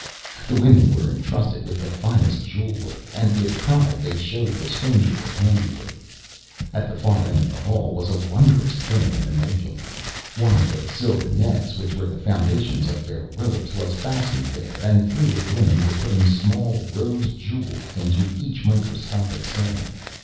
The women were intrusted with the finest jewel work, and with pride they showed the stranger their handiwork. At the far end of the hall was a wonderous thing in the making. One of the silver nets, which were the foundations of their robes, was fastened there and three of the women were putting small rose jewels into each microscopic setting.